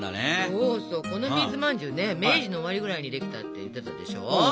そうそうこの水まんじゅうね明治の終わりぐらいにできたって言ってたでしょ？